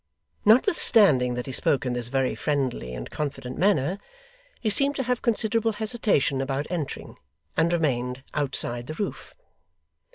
Notwithstanding that he spoke in this very friendly and confident manner, he seemed to have considerable hesitation about entering, and remained outside the roof.